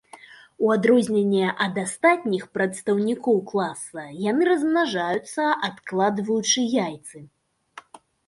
У адрозненне ад астатніх прадстаўнікоў класа яны размнажаюцца, адкладваючы яйцы.